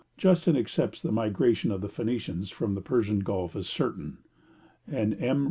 Justin accepts the migration of the Phoenicians from the Persian Gulf as certain; and M.